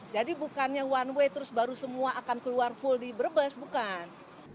jadi bukannya one way terus baru semua akan keluar full di berbes bukan